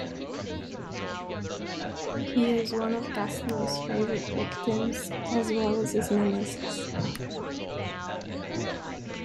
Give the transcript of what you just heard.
He is one of Gaston's favorite "victims" as well as his nemesis.